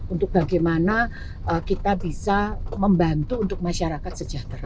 untuk bagaimana kita bisa membantu untuk masyarakat sejahtera